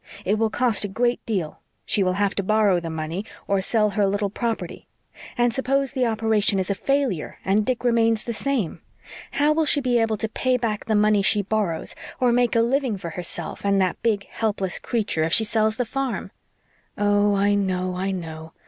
It will cost a great deal. She will have to borrow the money, or sell her little property. And suppose the operation is a failure and Dick remains the same. "How will she be able to pay back the money she borrows, or make a living for herself and that big helpless creature if she sells the farm?" "Oh, I know I know.